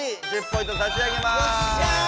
１０ポイントさしあげます。